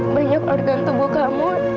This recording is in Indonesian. banyak organ tubuh kamu